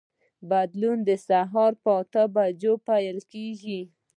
بدلون د سهار په اته بجو پیل کېږي.